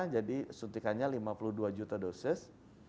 jadi suntikannya lima puluh dua juta dosis